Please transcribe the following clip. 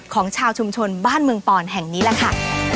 ของชาวชุมชนบ้านเมืองปอนแห่งนี้แหละค่ะ